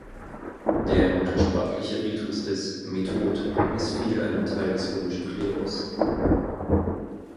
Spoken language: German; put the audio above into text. Der muttersprachliche Ritus des Method missfiel einem Teil des römischen Klerus.